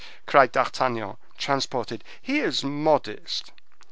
cried D'Artagnan, transported, "he is modest!"